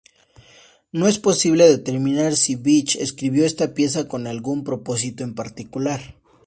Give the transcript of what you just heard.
No es posible determinar si Bach escribió esta pieza con algún propósito en particular.